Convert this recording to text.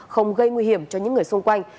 không gây nguy hiểm cho những người xung quanh